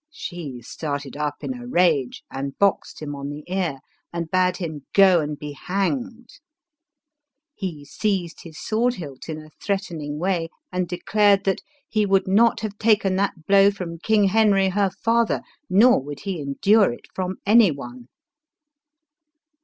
She started up in a rage and boxed him on the ear, and bade him " Go and be hanged." He seized his sword hilt in a threat ening way, and declared that " He would not have taken that blow from King Henry, her father, nor would he endure it from any one."